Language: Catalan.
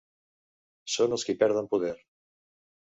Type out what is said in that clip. Són els qui perden poder.